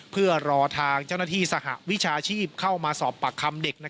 เพื่อรอทางเจ้าหน้าที่สหวิชาชีพเข้ามาสอบปากคำเด็ก